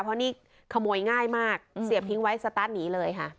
เพราะนี่ขโมยง่ายมากเสียบทิ้งไว้สตาร์ทหนีเลยค่ะ